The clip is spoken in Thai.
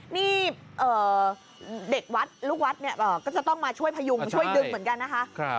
นี่เด็กวัดลูกวัดเนี่ยก็จะต้องมาช่วยพยุงช่วยดึงเหมือนกันนะคะ